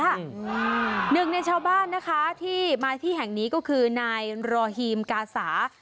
หนึ่งในชาวบ้านนะคะที่มาที่แห่งนี้ก็คือนายรอฮีมกาสา